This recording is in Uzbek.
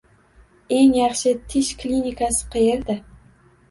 Eng yaxshi tish klinikasi qayerda?